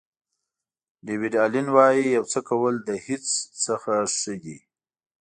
ډیویډ الین وایي یو څه کول له هیڅ نه ښه دي.